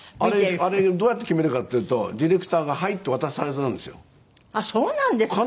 あれどうやって決めたかっていうとディレクターから「はい」って渡されたんですよ。